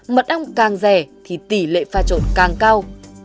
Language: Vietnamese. mật ong càng rẻ thì tỷ lệ pha trộn càng cao